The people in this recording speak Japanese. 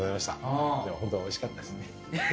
本当おいしかったですね。